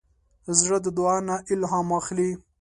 زړه د دعا نه الهام اخلي.